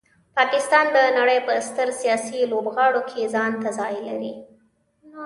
پاکستان د نړۍ په ستر سیاسي لوبغاړو کې ځانته ځای لري.